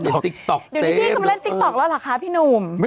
เดี๋ยวนี้พี่กำลังเล่นติ๊กต๊อกแล้วล่ะค่ะพี่หนุ่ม